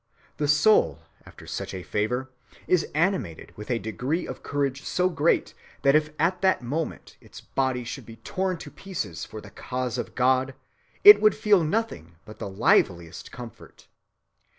The soul after such a favor is animated with a degree of courage so great that if at that moment its body should be torn to pieces for the cause of God, it would feel nothing but the liveliest comfort.